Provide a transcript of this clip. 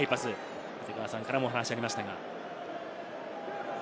立川さんからもお話がありましたね。